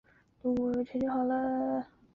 普宁市辖乡。